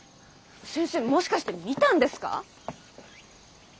先生もしかして見たんですか？